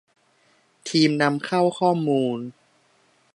ทีมนำเข้าข้อมูล